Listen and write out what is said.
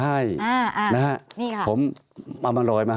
ตั้งแต่เริ่มมีเรื่องแล้ว